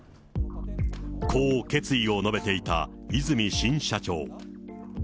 こう決意を述べていた和泉新社長。